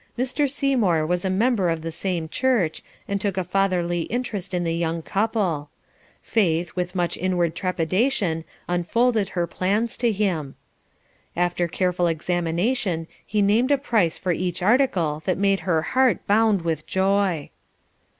Mr. Seymour was a member of the same church, and took a fatherly interest in the young couple. Faith, with much inward trepidation, unfolded her plans to him. After careful examination he named a price for each article that made her heart bound with joy.